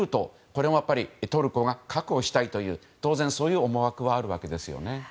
これをトルコが確保したいという当然そういう思惑があるわけですね。